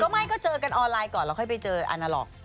ก็ไม่ก็เจอกันออนไลน์ก่อนแล้วค่อยไปเจออันโลก